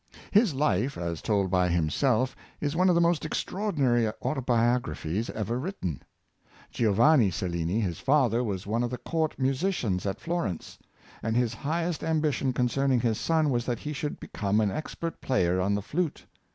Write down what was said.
His life, as told by himself, is one of the most extraordinary auto biographies ever written. Giovanni Cellini, his father, was one of the Court musicians af Florence; and his highest ambition concerning his son was that he should become an expert player on the flute.